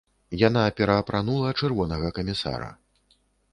Яна пераапранула чырвонага камісара.